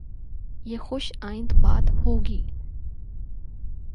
یہ خوش آئند بات ہو گی۔